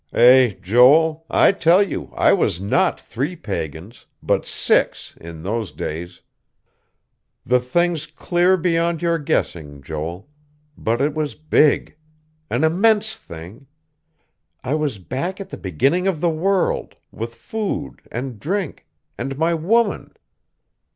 "Eh, Joel, I tell you I was not three pagans, but six, in those days. The thing's clear beyond your guessing, Joel. But it was big. An immense thing. I was back at the beginning of the world, with food, and drink, and my woman....